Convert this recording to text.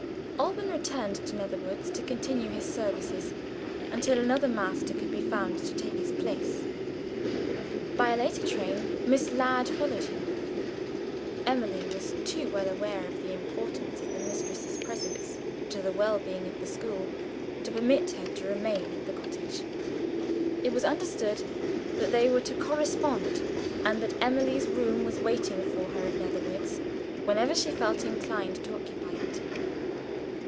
Alban returned to Netherwoods to continue his services, until another master could be found to take his place. By a later train Miss Ladd followed him. Emily was too well aware of the importance of the mistress's presence to the well being of the school, to permit her to remain at the cottage. It was understood that they were to correspond, and that Emily's room was waiting for her at Netherwoods, whenever she felt inclined to occupy it.